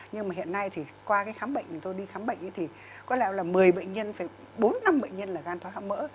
nhưng mà hiện nay thì qua cái khám bệnh thì tôi đi khám bệnh thì có lẽ là một mươi bệnh nhân bốn năm bệnh nhân là gan thoát mỡ